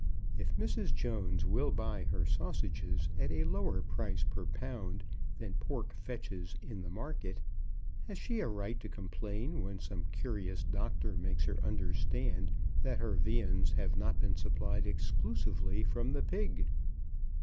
If Mrs. Jones will buy her sausages at a lower price per pound than pork fetches in the market, has she a right to complain when some curious doctor makes her understand that her viands have not been supplied exclusively from the pig?